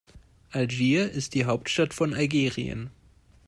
Algier ist die Hauptstadt von Algerien.